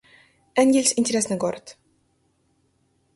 Энгельс — интересный город